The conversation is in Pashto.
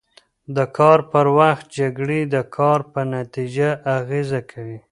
د کار پر وخت جکړې د کار په نتیجه اغېز کوي.